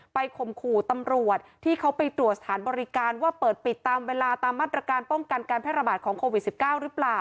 ข่มขู่ตำรวจที่เขาไปตรวจสถานบริการว่าเปิดปิดตามเวลาตามมาตรการป้องกันการแพร่ระบาดของโควิด๑๙หรือเปล่า